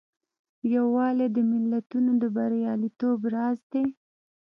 یووالی د ملتونو د بریالیتوب راز دی.